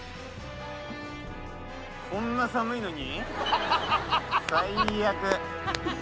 こんな寒いのに？